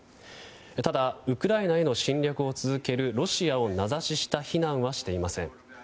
ただウクライナへの侵略を続けるロシアを名指しした非難はしていません。